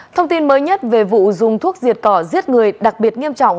thông tin mới nhất về vụ dùng thuốc diệt cỏ giết người đặc biệt nghiêm trọng